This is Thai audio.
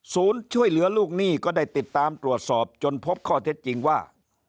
ช่วยเหลือลูกหนี้ก็ได้ติดตามตรวจสอบจนพบข้อเท็จจริงว่า